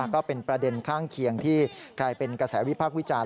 ก็เป็นประเด็นข้างเคียงที่กลายเป็นกระแสวิพากษ์วิจารณ์